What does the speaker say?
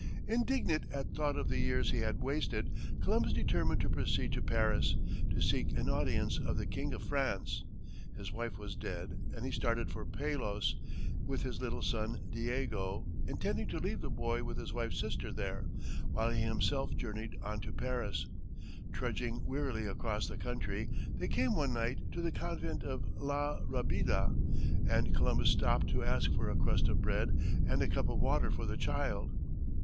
Indignant at thought of the years he had wasted, Columbus determined to proceed to Paris, to seek an audience of the King of France. His wife was dead, and he started for Palos, with his little son, Diego, intending to leave the boy with his wife's sister there, while he himself journeyed on to Paris. Trudging wearily across the country, they came one night to the convent of La Rabida, and Columbus stopped to ask for a crust of bread and cup of water for the child.